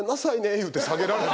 言うて下げられて。